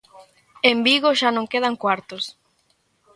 En Vigo xa non quedan cuartos.